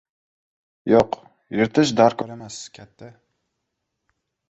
— Yo‘q, yirtish darkor emas, katta.